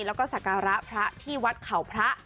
แล้วก็สักการะพระที่วัดเขาพระ